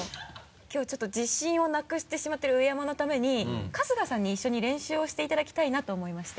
きょうちょっと自信をなくしてしまってる上山のために春日さんに一緒に練習をしていただきたいなと思いまして。